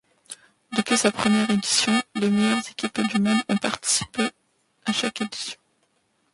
Depuis sa première édition, les meilleures équipes du monde ont participé à chaque édition.